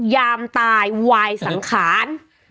ยามตายวายสังขาร